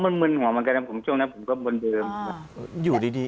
ผมก็มื้นหัวเหมือนกันนะผมช่วงนั้นผมก็บนเดิมอ่าอยู่ดี